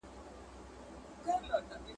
په کالیو کي یې پټ ول اندامونه .